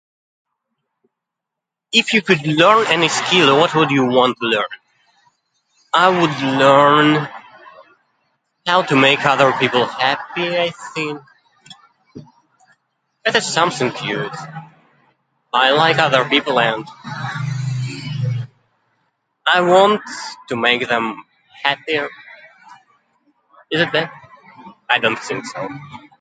If you could learn any skill, what would you want to learn? I would learn... how to make other people happy, I think. It is something cute. I like other people and... I want to make them happier. Is it bad? I don't think so.